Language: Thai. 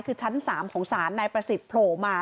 คือชั้น๓ของศาลนายประสิทธิ์โผล่มา